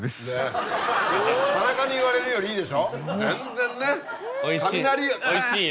田中に言われるよりいいでしょ全然ね。